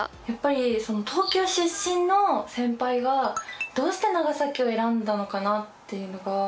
やっぱり東京出身の先輩がどうして長崎を選んだのかなっていうのが。